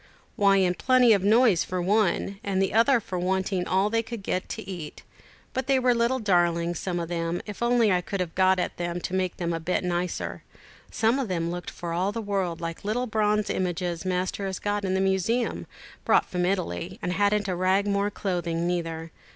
"Why, in plenty of noise for one, and the other for wanting all they could get to eat. But they were little darlings, some of them, if I only could have got at them to make them a bit nicer. Some of them looked for all the world like the little bronze images Master has got in the museum, brought from Italy, and hadn't a rag more clothing neither.